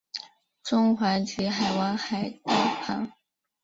中环及田湾海旁道。